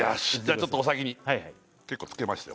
ちょっとお先に結構つけましたよ